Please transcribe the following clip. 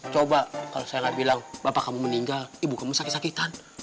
coba kalau saya nggak bilang bapak kamu meninggal ibu kamu sakit sakitan